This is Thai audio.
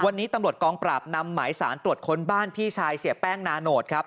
วันนี้ตำรวจกองปราบนำหมายสารตรวจค้นบ้านพี่ชายเสียแป้งนาโนตครับ